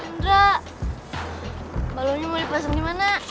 jendralya mau dipasang dimana